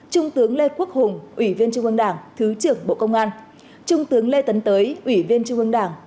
trung tướng lê quốc hùng ủy viên trung ương đảng thứ trưởng bộ công an trung tướng lê tấn tới ủy viên trung ương đảng